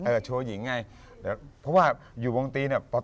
เฉอโชว์หญิงไงเพราะว่าอยู่วงตรีเนี่ย